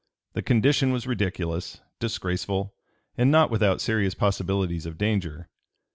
The condition was ridiculous, disgraceful, and not without serious possibilities of danger.